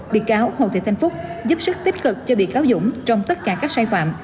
bị cáo hồ thị thanh phúc giúp sức tích cực cho bị cáo dũng trong tất cả các sai phạm